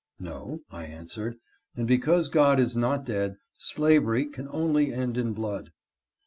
" No," I answrered, " and because God is not dead slavery can only end in blood."